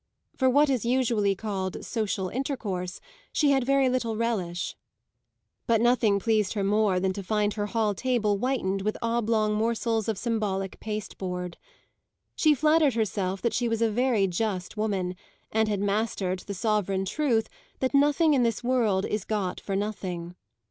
For what is usually called social intercourse she had very little relish; but nothing pleased her more than to find her hall table whitened with oblong morsels of symbolic pasteboard. She flattered herself that she was a very just woman, and had mastered the sovereign truth that nothing in this world is got for nothing.